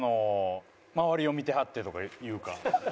周りを見てはってというか。